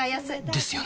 ですよね